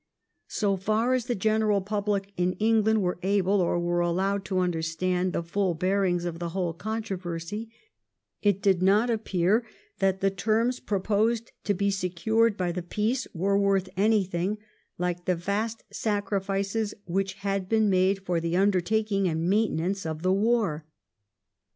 So far as the general public in England were able or were allowed to understand the full bearings of the whole controversy, it did not appear that the terms proposed to be secured by the peace were worth any thing like the vast sacrifices which had been made for the undertaking and the maintenance of the war.